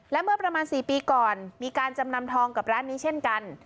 และเมื่อประมาณ๔ปีก่อนมีการจำนำทองกับร้านนี้เช่นกัน